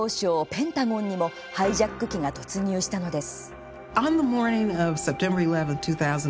ペンタゴンにもハイジャック機が突入したのです。